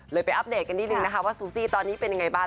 ไปอัปเดตกันนิดนึงนะคะว่าซูซี่ตอนนี้เป็นยังไงบ้าง